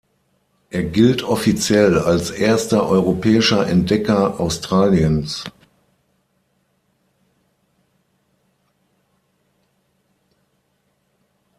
Er gilt offiziell als erster europäischer Entdecker Australiens.